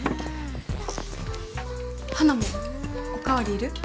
花も、お代わりいる？